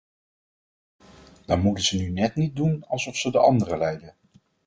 Dan moeten ze nu niet net doen alsof ze de anderen leiden.